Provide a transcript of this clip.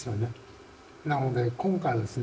なので今回はですね